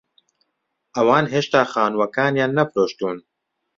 ئەوان هێشتا خانووەکانیان نەفرۆشتوون.